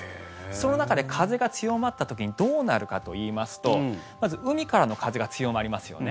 その中で風が強まった時にどうなるかといいますとまず、海からの風が強まりますよね。